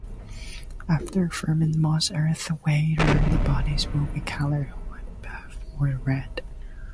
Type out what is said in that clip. After firing most earthenware bodies will be colored white, buff or red.